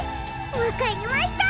わかりました！